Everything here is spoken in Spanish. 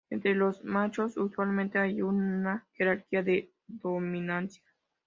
Entre los machos usualmente hay una jerarquía de dominancia.